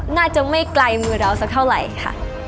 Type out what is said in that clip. น่าจะไม่ไกลมือเราสักเท่าไหร่ค่ะ